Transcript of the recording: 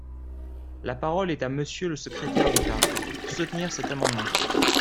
La parole est à Monsieur le secrétaire d’État, pour soutenir cet amendement.